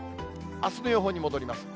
あすの予報に戻ります。